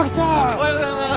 おはようございます！